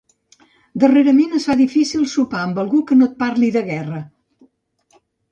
Darrerament és difícil sopar amb algú que no et parli de guerra.